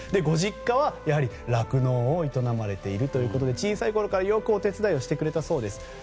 ご実家はやはり酪農を営まれているということで小さいころからよくお手伝いしてくれたそうです。